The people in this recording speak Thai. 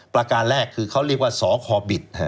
ประการแรกคือเขาเรียกว่าสคบิต